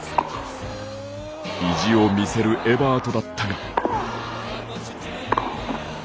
意地を見せるエバートだったが。